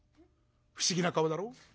不思議な顔だろ。